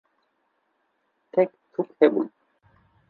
tek tuk hebûn